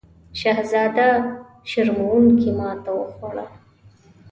شهزاده شرموونکې ماته وخوړه.